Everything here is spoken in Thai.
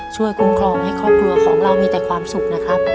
ช่วยคุ้มครองให้ครอบครัวของเรามีแต่ความสุข